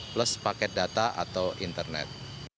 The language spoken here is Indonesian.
plus paket data atau internet